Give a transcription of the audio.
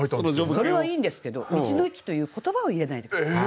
それはいいんですけど「道の駅」という言葉を入れないで下さい。